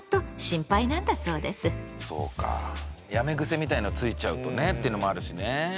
そうかやめ癖みたいのついちゃうとねってのもあるしね